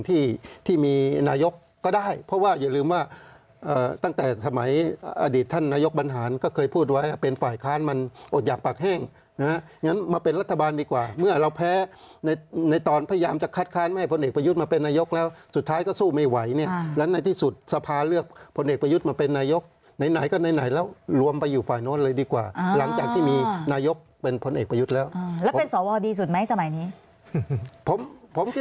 ที่มีนายกก็ได้เพราะว่าอย่าลืมว่าตั้งแต่สมัยอดีตท่านนายกบรรหารก็เคยพูดไว้เป็นฝ่ายค้านมันอดหยากปากแห้งนะครับอย่างนั้นมาเป็นรัฐบาลดีกว่าเมื่อเราแพ้ในตอนพยายามจะคัดค้านไม่ให้ผลเอกประยุทธ์มาเป็นนายกแล้วสุดท้ายก็สู้ไม่ไหวเนี่ยแล้วในที่สุดสภาเลือกผลเอกประยุทธ์มาเป็นนายกไหนไหนก็ไ